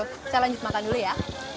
saya lanjut makan dulu ya